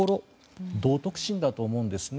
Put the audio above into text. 道徳心だと思うんですね。